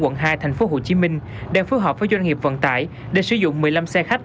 quận hai tp hcm đang phối hợp với doanh nghiệp vận tải để sử dụng một mươi năm xe khách